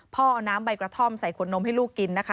เอาน้ำใบกระท่อมใส่ขวดนมให้ลูกกินนะคะ